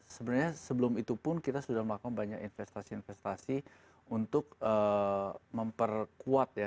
sebenarnya sebelum itu pun kita sudah melakukan banyak investasi investasi untuk memperkuat ya